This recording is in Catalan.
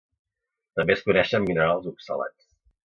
També es coneixen minerals oxalats.